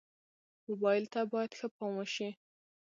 موبایل ته باید ښه پام وشي.